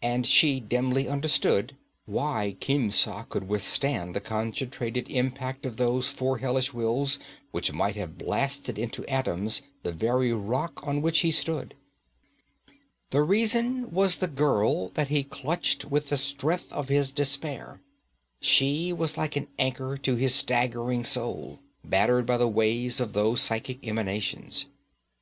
And she dimly understood why Khemsa could withstand the concentrated impact of those four hellish wills which might have blasted into atoms the very rock on which he stood. The reason was the girl that he clutched with the strength of his despair. She was like an anchor to his staggering soul, battered by the waves of those psychic emanations.